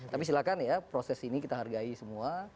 tapi silakan ya proses ini kita hargai semua